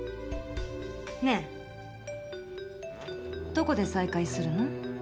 ねえどこで再会するの？